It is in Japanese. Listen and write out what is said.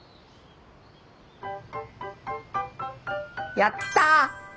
やったぁ！